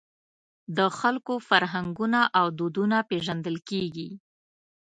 د خلکو فرهنګونه او دودونه پېژندل کېږي.